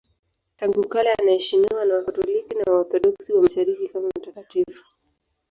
Tangu kale anaheshimiwa na Wakatoliki na Waorthodoksi wa Mashariki kama mtakatifu.